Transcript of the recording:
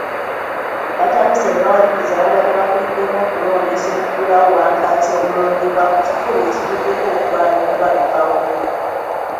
Batabuse ne bawaliriza ababadde bakuliddemu okulondesa okuggulawo Wankaaki omulondebwa ku kifuba ekivuddeko okulwana okubalukawo.